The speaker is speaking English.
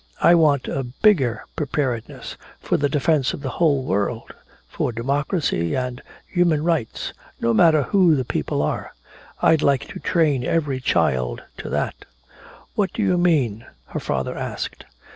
I want a bigger preparedness for the defence of the whole world for democracy, and human rights, no matter who the people are! I'd like to train every child to that!" "What do you mean?" her father asked.